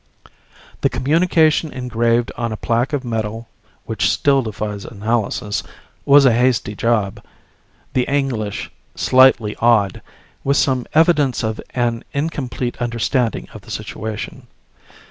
The communication engraved on a plaque of metal (which still defies analysis) was a hasty job, the English slightly odd, with some evidence of an incomplete understanding of the situation.